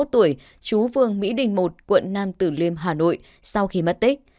hai mươi một tuổi chú phương mỹ đình i quận nam tử liêm hà nội sau khi mất tích